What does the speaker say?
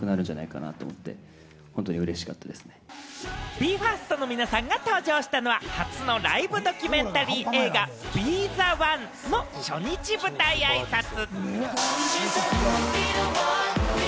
ＢＥ：ＦＩＲＳＴの皆さんが登場したのは、初のライブドキュメンタリー映画『ＢＥ：ｔｈｅＯＮＥ』の初日舞台あいさつ。